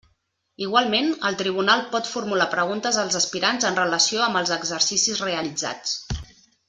Igualment, el Tribunal pot formular preguntes als aspirants en relació amb els exercicis realitzats.